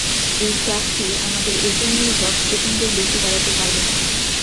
এই ট্রাকটি আমাদের ওজন নিয়ে দশ সেকেন্ডের বেশি দাঁড়াতে পারবে না।